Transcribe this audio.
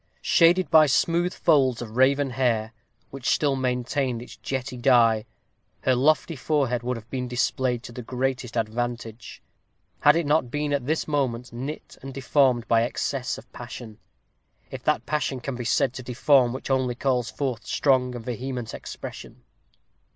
Shaded by smooth folds of raven hair, which still maintained its jetty dye, her lofty forehead would have been displayed to the greatest advantage, had it not been at this moment knit and deformed by excess of passion, if that passion can be said to deform which only calls forth strong and vehement expression.